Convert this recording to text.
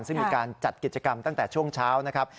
ซึ่งมีการจัดกิจกรรมตั้งแต่ช่วงเช้านะครับ